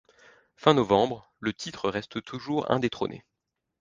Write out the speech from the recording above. Fin novembre, le titre reste toujours indétrôné.